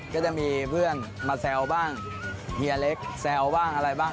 ก็จะมีเพื่อนมาแซวบ้างเฮียเล็กแซวบ้างอะไรบ้าง